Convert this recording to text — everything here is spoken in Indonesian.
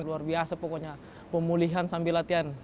luar biasa pokoknya pemulihan sambil latihan